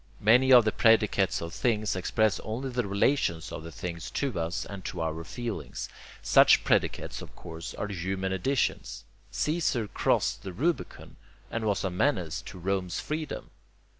Many of the predicates of things express only the relations of the things to us and to our feelings. Such predicates of course are human additions. Caesar crossed the Rubicon, and was a menace to Rome's freedom.